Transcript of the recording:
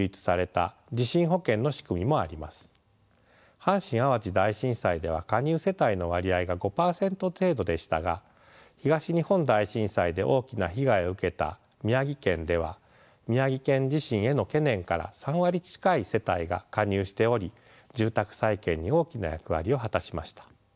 阪神・淡路大震災では加入世帯の割合が５％程度でしたが東日本大震災で大きな被害を受けた宮城県では宮城県地震への懸念から３割近い世帯が加入しており住宅再建に大きな役割を果たしました。